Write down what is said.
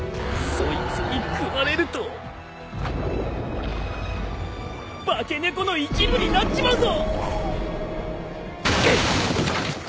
そいつに食われると化け猫の一部になっちまうぞ！